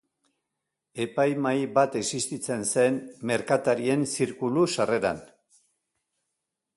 Epaimahai bat existitzen zen, Merkatarien Zirkulu sarreran.